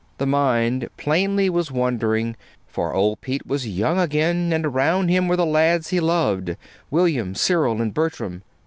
The mind, plainly, was wandering, for old Pete was young again, and around him were the lads he loved, William, Cyril, and Bertram.